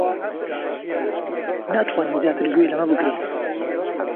ناتوانم زیاتر گوێ لەمە بگرم.